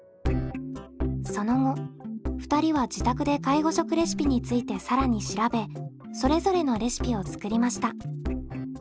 その後２人は自宅で介護食レシピについて更に調べそれぞれのレシピを作りました。